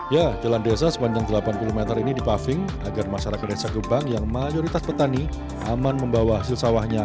ya jalan desa sepanjang delapan puluh meter ini dipaving agar masyarakat desa gebang yang mayoritas petani aman membawa hasil sawahnya